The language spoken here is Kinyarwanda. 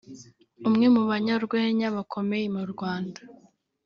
umwe mu banyarwenya bakomeye mu Rwanda